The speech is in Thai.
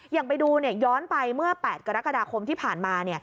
อย่างไปดูย้อนไปเมื่อ๘กรกฎาคมที่ผ่านมา